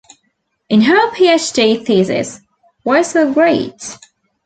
In her PhD thesis Why So Great?